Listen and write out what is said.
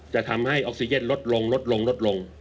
จะทำให้ออกซิเจนลดลงลดลงลดลง